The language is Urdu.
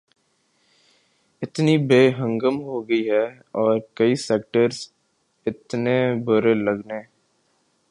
اتنی بے ہنگم ہو گئی ہے اور کئی سیکٹرز اتنے برے لگنے